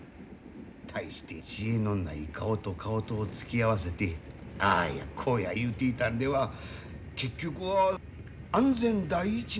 大して知恵のない顔と顔とを突き合わせて何やこうや言うていたんでは結局は安全第一の策しか出てきまへん。